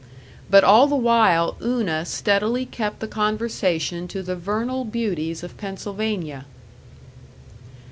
But all the while Una steadily kept the conversation to the vernal beauties of Pennsylvania.